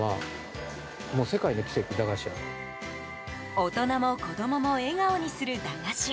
大人も子供も笑顔にする駄菓子。